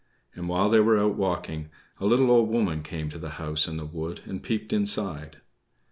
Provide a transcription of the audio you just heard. And while they were out walking, a little Old Woman came to the house in the wood and peeped inside.